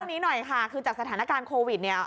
หน่อยค่ะคือจากสถานการณ์โควิดเนี่ย